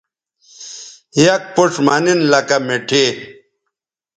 یک پوڇ مہ نن لکہ مٹھائ